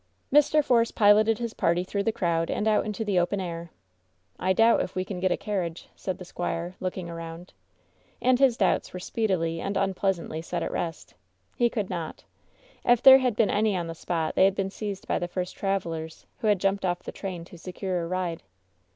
Mr. Fore© piloted his party through the crowd, and out into the open air. "I doubt if we can get a carriage, said the squire, looking around. And his doubts were speedily and unpleasantly set at WHEN SHADOWS DIE 71 rest. He could not If there had been any on the spot they had been seized by the first travelers^ who had jumped off the train to secure a ride.